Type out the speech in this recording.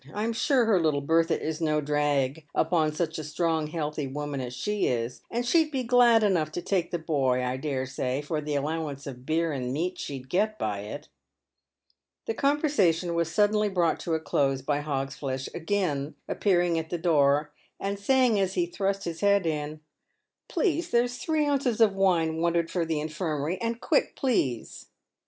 I'm sure her little Bertha is no drag upon such a strong, healthy woman as she is; and she'd be glad enough to take the boy, I dare say, for the allowance of beer and meat she'd get by it." D 2 36 PAYED WITH GOLD. The conversation was suddenly brought to a close by Hogsflesh again appearing at the door, and saying, as he thrust his head in :" Please, there's three ounces of wine wanted for the infirmary — and quick, please."